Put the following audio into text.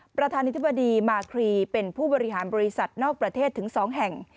ประธานิธิบดีมาครีเป็นผู้บริหารบริษัทนอกประเทศถึง๒แห่ง